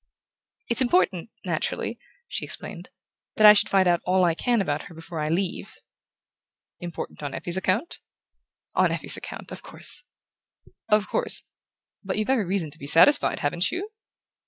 "It's important, naturally," she explained, "that I should find out all I can about her before I leave." "Important on Effie's account?" "On Effie's account of course." "Of course...But you've every reason to be satisfied, haven't you?"